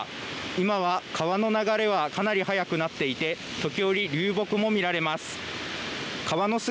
今は川の流れはかなり速くなっていて、時折、流木も見られます。